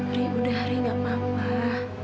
riri udah hari nggak apa apa